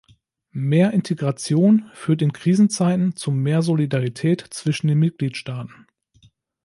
Mehr Integration führt in Krisenzeiten zu mehr Solidarität zwischen den Mitgliedstaaten.